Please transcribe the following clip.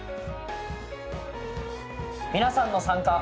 皆さんの参加。